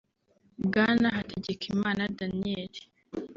Bwana Hategekimana Daniel